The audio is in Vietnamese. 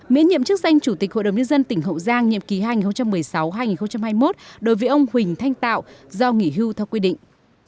miễn nhiệm chức danh chủ tịch hội đồng nhân dân tỉnh hậu giang nhiệm kỳ hai nghìn một mươi sáu hai nghìn hai mươi một đối với ông huỳnh thanh tạo do nghỉ hưu theo quy định